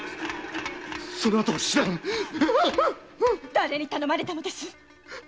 だれに頼まれたのですか！？